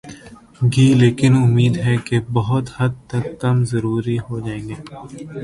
گی لیکن امید ہے کہ بہت حد تک کم ضرور ہو جائیں گی۔